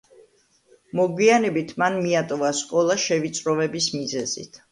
მოგვიანებით მან მიატოვა სკოლა შევიწროვების მიზეზით.